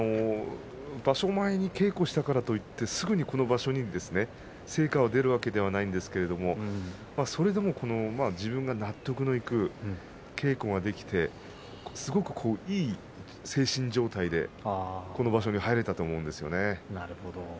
場所前に稽古をしてからといってすぐ場所に成果が出るわけではないんですけどもそれでも自分が納得のいく稽古ができてすごくいい精神状態でこの場所に入れたと思うんですね。